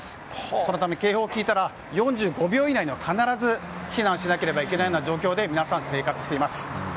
そのため、警報を聞いたら４５秒以内には必ず避難しなければいけない状況で、皆さん生活しています。